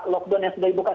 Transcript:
lockdown yang sudah dibuka